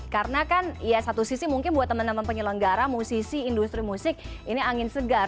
karena kan ya satu sisi mungkin buat teman teman penyelenggara musisi industri musik ini angin segar